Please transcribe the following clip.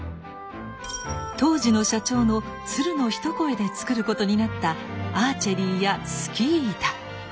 当時の社長の鶴の一声で作ることになったアーチェリーやスキー板。